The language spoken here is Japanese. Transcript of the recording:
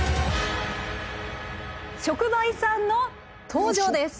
職場遺産の登場です！